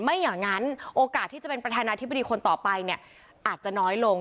ไม่อย่างนั้นโอกาสที่จะเป็นประธานาธิบดีคนต่อไปเนี่ยอาจจะน้อยลง